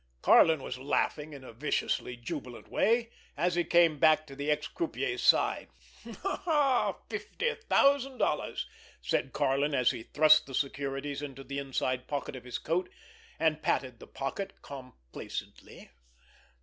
Karlin was laughing in a viciously jubilant way, as he came back to the ex croupier's side. "Fifty thousand dollars!" said Karlin, as he thrust the securities into the inside pocket of his coat, and patted the pocket complacently.